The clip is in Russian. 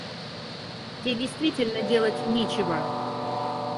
Те действительно делать нечего?